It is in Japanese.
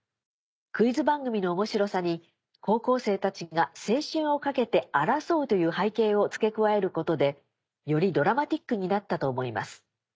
クイズ番組の面白さに高校生たちが青春を懸けて争うという背景を付け加えることでよりドラマチックになったと思います。